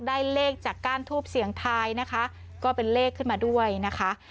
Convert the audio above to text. ได้เลขจากก้านทูบเสียงทายนะคะก็เป็นเลขขึ้นมาด้วยนะคะ